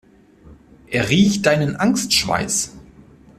Er riecht deinen Angstschweiß.